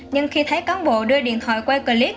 nhưng khi thấy cán bộ đưa điện thoại quay clip